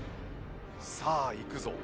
さあいくぞ。